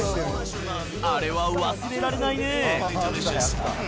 あれは忘れられないね。